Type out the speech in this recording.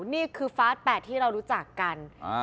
นี่คือฟาส๘ที่เรารู้จักกัน